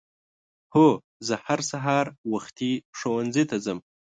هو زه هر سهار وختي ښؤونځي ته ځم.